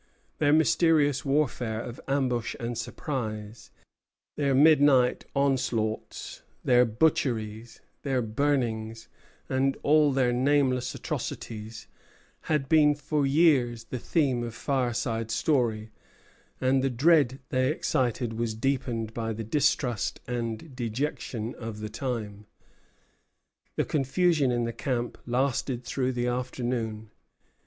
Their mysterious warfare of ambush and surprise, their midnight onslaughts, their butcheries, their burnings, and all their nameless atrocities, had been for years the theme of fireside story; and the dread they excited was deepened by the distrust and dejection of the time. The confusion in the camp lasted through the afternoon.